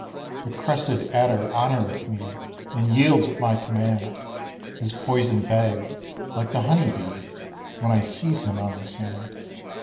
The crested adder honoureth me, And yields at my command His poison bag, like the honey bee, When I seize him on the sand.